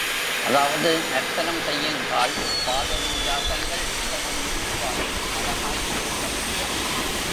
அதாவது நர்த்தனம் செய்யுங்கால் பாதவின்யாசங்கள் மிகவும் மிருதுவாயும் அழகாயுமிருக்க வேண்டும்.